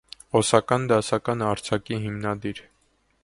Օսական դասական արձակի հիմնադիր։